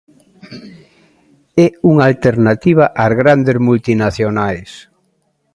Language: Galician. É unha alternativa ás grandes multinacionais.